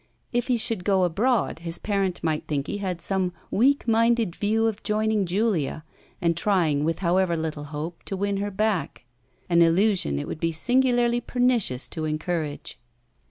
If he should go abroad his parent might think he had some weak minded view of joining Julia and trying, with however little hope, to win her back an illusion it would be singularly pernicious to encourage.